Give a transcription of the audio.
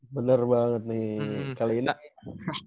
bener banget nih kali ini